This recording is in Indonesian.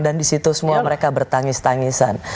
dan di situ semua mereka bertangis tangisan